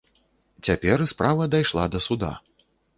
Цяпер справа дайшла да суда.